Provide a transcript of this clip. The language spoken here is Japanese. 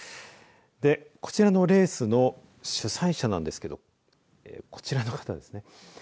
で、こちらのレースの主催者なんですけれどもこちらの方ですね。